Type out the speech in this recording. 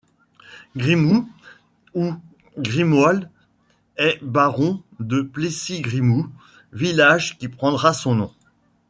Grimoult ou Grimoald est baron du Plessis-Grimoult, village qui prendra son nom.